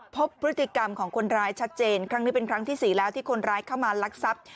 พบพฤติกรรมของคนร้ายชัดเจนครั้งนี้เป็นครั้งที่๔แล้วที่คนร้ายเข้ามาลักทรัพย์